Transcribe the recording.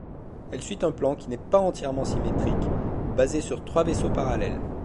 Elle suit un plan qui n'est pas entièrement symétrique, basé sur trois vaisseaux parallèles.